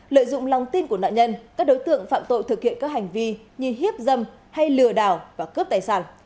lợi dụng lòng tin của nạn nhân các đối tượng phạm tội thực hiện các hành vi như hiếp dâm hay lừa đảo và cướp tài sản